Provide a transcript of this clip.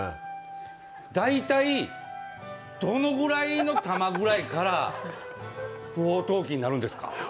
大体、どのぐらいの玉ぐらいから不法投棄になるんですか？